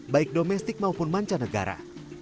baik domestik maupun mancanegara